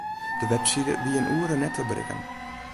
De webside wie in oere net te berikken.